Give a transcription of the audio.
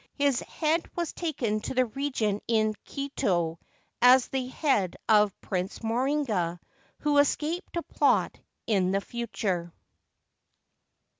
His head was taken to the Regent in Kioto as the head of Prince Morinaga, who escaped to plot in the future.